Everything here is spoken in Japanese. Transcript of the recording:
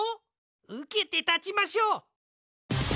うけてたちましょう！